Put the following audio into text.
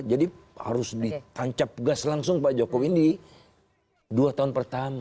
jadi harus ditancap gas langsung pak jokowi di dua tahun pertama